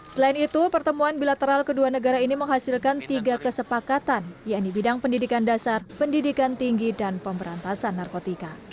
selain itu pertemuan bilateral kedua negara ini menghasilkan tiga kesepakatan yaitu bidang pendidikan dasar pendidikan tinggi dan pemberantasan narkotika